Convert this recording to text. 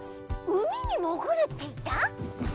「うみにもぐる」っていった？